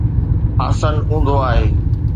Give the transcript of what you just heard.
آسن اونڌو آهي